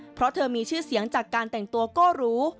เพราะเธอมีชื่อเสียงจากการแต่งตัวก็รู้